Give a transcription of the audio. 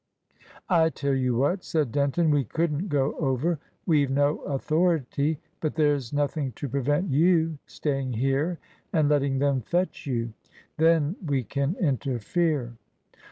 "I tell you what," said Denton, "we couldn't go over. We've no authority. But there's nothing to prevent you staying here and letting them fetch you. Then we can interfere."